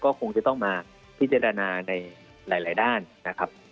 ก็คงจะต้องมาพิจารณาในหลายด้านนะครับ